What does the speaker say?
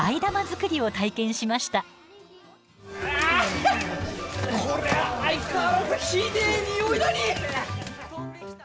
こりゃ相変わらずひでえにおいだにい。